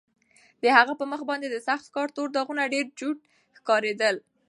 د هغه په مخ باندې د سخت کار تور داغونه ډېر جوت ښکارېدل.